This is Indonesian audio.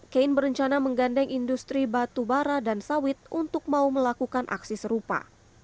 kein berencana menggandeng industri batu bara dan sawit untuk mau melakukan aksi serupa